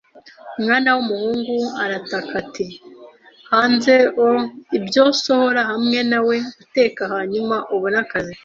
mwana w'umuhungu, ”arataka ati:“ hanze o 'ibyo! Sohora hamwe nawe guteka hanyuma ubone akazi. ”